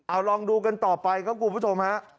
เอาลองดูกันต่อไปครับคุณผู้ชมฮะ